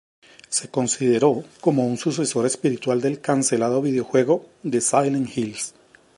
Se consideró como un sucesor espiritual del cancelado videojuego de Silent Hills.